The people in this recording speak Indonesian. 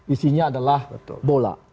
isinya adalah bola